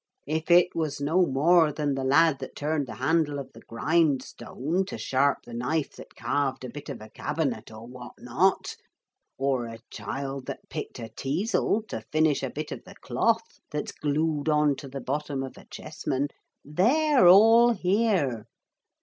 If it was no more than the lad that turned the handle of the grindstone to sharp the knife that carved a bit of a cabinet or what not, or a child that picked a teazle to finish a bit of the cloth that's glued on to the bottom of a chessman they're all here.